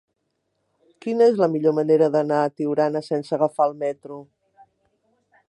Quina és la millor manera d'anar a Tiurana sense agafar el metro?